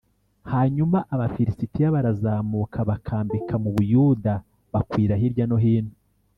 Hanyuma Abafilisitiya barazamuka bakambika mu Buyuda bakwira hirya no hino